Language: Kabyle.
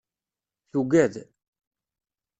Tuggad.